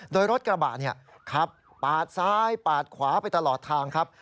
โดยรถกระบะขับปาดซ้ายปาดขวาไปตลอดทางครับ